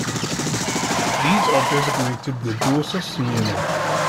These are designated the Dorsa Smirnov.